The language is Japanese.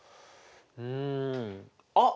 うんあっ！